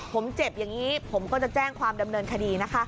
ผมเจ็บอย่างนี้ผมก็จะแจ้งความดำเนินคดีนะคะ